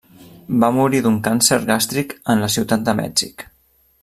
Va morir d'un càncer gàstric en la Ciutat de Mèxic.